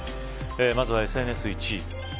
まずはＳＮＳ１位。